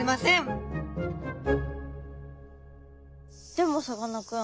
でもさかなクン